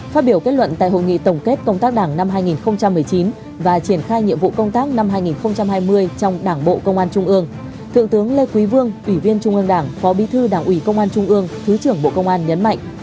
phát biểu kết luận tại hội nghị tổng kết công tác đảng năm hai nghìn một mươi chín và triển khai nhiệm vụ công tác năm hai nghìn hai mươi trong đảng bộ công an trung ương thượng tướng lê quý vương ủy viên trung ương đảng phó bí thư đảng ủy công an trung ương thứ trưởng bộ công an nhấn mạnh